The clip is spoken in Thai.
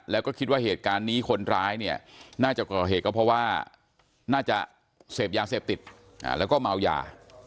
แล้วก็คิดว่าเหตุการณ์นี้คนร้ายเนี่ยน่าจะก่อเหตุก็เพราะว่าน่าจะเสพยาเสพติดแล้วก็เมายา